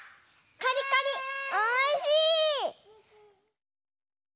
カリカリおいしい！